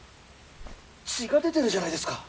血が出てるじゃないですか！